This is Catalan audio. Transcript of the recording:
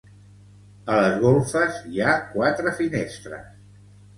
A les golfes hi ha quatre finestres.